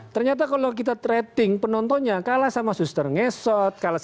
ternyata kalau kita trating penontonnya kalah sama suster ngesot